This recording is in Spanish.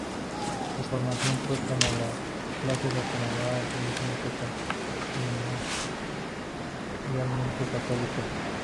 Su formación fue como las clases acomodadas de su tiempo primordialmente católica.